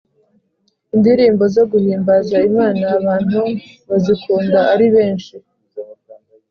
Indirimbo zo guhimbaza imana abantu bazikunda aribenshi